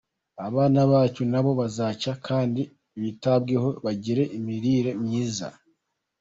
Abana bacu nabo bazacya kandi bitabweho bagire imirire myiza.